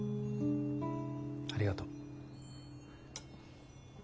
ありがとう。